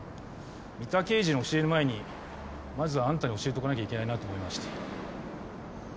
三田刑事に教える前にまずあんたに教えとかなきゃいけないなと思いまして。